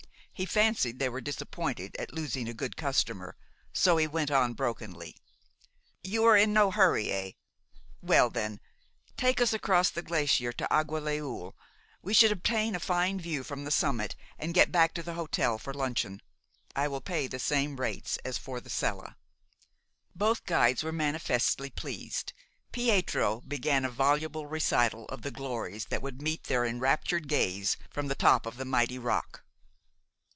He fancied they were disappointed at losing a good customer; so he went on brokenly: "You are in no hurry, eh? Well, then, take us across the glacier to the Aguagliouls. We should obtain a fine view from the summit, and get back to the hotel for luncheon. I will pay the same rates as for the Sella." Both guides were manifestly pleased. Pietro began a voluble recital of the glories that would meet their enraptured gaze from the top of the mighty rock.